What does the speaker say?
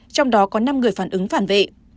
trong đó có năm người phản ứng phản vệ